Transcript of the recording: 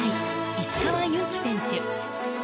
石川祐希選手。